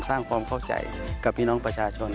สร้างความเข้าใจกับพี่น้องประชาชน